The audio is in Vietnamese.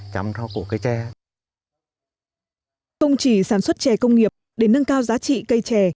công trì sản xuất trè công nghiệp để nâng cao giá trị cây trè